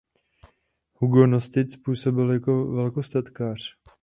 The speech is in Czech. Hugo Nostic působil jako velkostatkář.